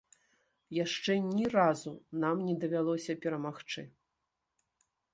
Яшчэ ні разу нам не давялося перамагчы.